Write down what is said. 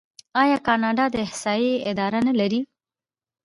آیا کاناډا د احصایې اداره نلري؟